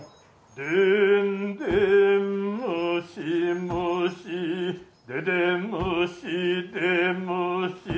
でんでんむしむしででむしでむし。